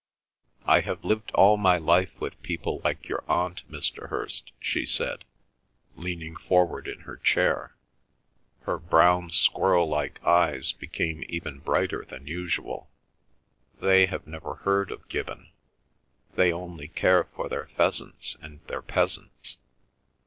"I have lived all my life with people like your Aunt, Mr. Hirst," she said, leaning forward in her chair. Her brown squirrel like eyes became even brighter than usual. "They have never heard of Gibbon. They only care for their pheasants and their peasants.